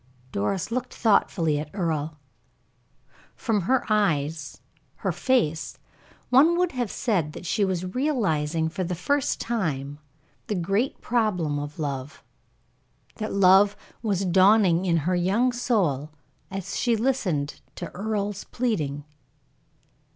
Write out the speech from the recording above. Doris looked thoughtfully at Earle. From her eyes, her face, one would have said that she was realizing for the first time the great problem of love; that love was dawning in her young soul as she listened to Earle's pleading.